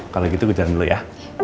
kalo gitu gue jalan dulu ya